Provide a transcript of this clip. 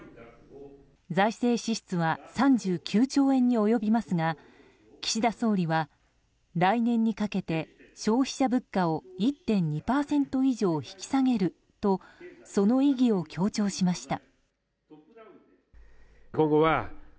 財政支出は３９兆円に及びますが岸田総理は来年にかけて消費者物価を１．２％以上引き下げるとその意義を強調しました。